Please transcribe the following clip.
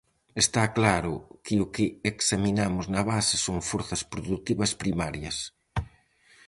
Está claro que o que examinamos na base son forzas produtivas primarias.